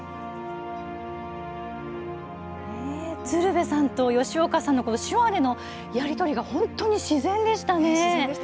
鶴瓶さんと吉岡さんの手話でのやり取りが本当に自然でしたね。